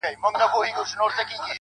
ځوان د خپلي خولگۍ دواړي شونډي قلف کړې.